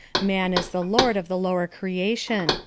Man is the lord of the lower creation.